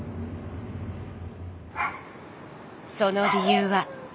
その理由は。